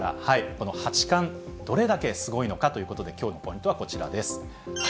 この八冠、どれだけすごいのかということで、きょうのポイントはこちらです。